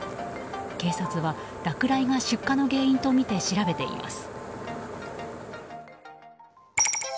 警察は、落雷が出火の原因とみて調べています。